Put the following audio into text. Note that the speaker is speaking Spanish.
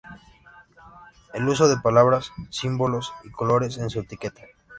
El uso de palabras, símbolos y colores en su etiqueta.